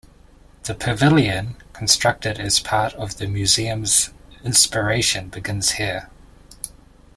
The Pavilion, constructed as part of the Museum's Inspiration Begins Here!